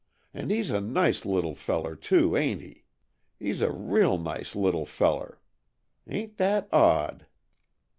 And he's a nice little feller, too, ain't he? He's a real nice little feller. Ain't that odd!"